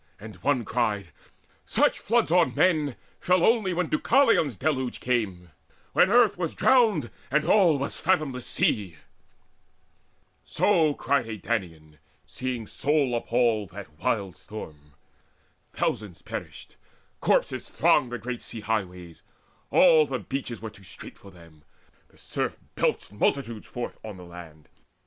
And one cried: "Such floods on men Fell only when Deucalion's deluge came, When earth was drowned, and all was fathomless sea!" So cried a Danaan, seeing soul appalled That wild storm. Thousands perished; corpses thronged The great sea highways: all the beaches were Too strait for them: the surf belched multitudes Forth on the land.